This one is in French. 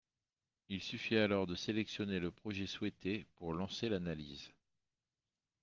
Il suffit alors de sélectionner le projet souhaité pour lancer l’analyse